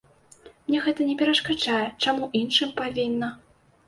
Мне гэта не перашкаджае, чаму іншым павінна?